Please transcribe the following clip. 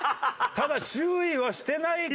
ただ注意はしてないか？